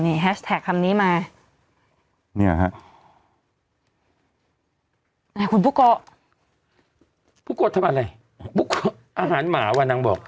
เนี่ยคำนี้มาเนี่ยฮะคุณภูเกาะภูเกาะทำอะไรภูเกาะอาหารหมาว่านางบอก